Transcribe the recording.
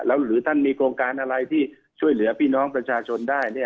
แล้วหรือท่านมีโครงการอะไรที่ช่วยเหลือพี่น้องประชาชนได้